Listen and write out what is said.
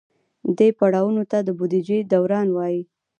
دې پړاوونو ته د بودیجې دوران وایي.